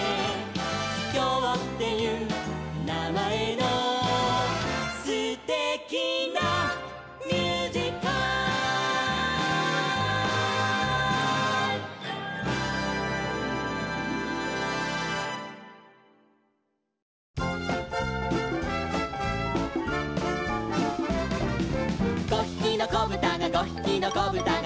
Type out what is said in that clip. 「きょうっていうなまえのすてきなミュージカル」「５ひきのこぶたが５ひきのこぶたが」